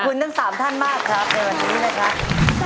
ขอบคุณทั้งสามท่านมากครับเออสีด้วยเลยครับ